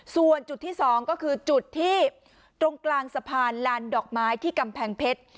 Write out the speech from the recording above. ส่วนจุดที่๒ก็คือจุดที่ตรงกลางสะพานลานดอกไม้ที่กำแพงเพชร